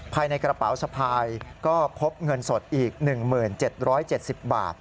ภายในกระเป๋าสะพายก็พบเงินสดอีก๑๗๗๐บาท